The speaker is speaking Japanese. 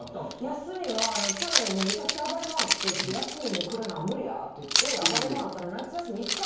休みは去年もうめちゃくちゃ暴れ回って「休みもくれな無理や！」って言って暴れまわったら。